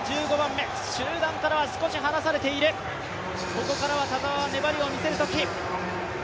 ここからは田澤は粘りを見せるとき。